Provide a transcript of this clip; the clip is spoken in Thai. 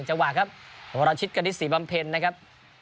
๑จังหวะครับเพราะว่าเราชิดกับทิศสีบำเพ็ญนะครับ